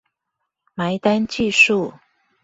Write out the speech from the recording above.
埋單計數